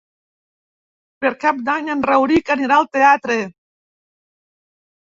Per Cap d'Any en Rauric anirà al teatre.